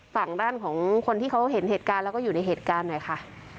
ฝั่งด้านของคนที่เขาเห็นเหตุการณ์แล้วก็อยู่ในเหตุการณ์หน่อยค่ะ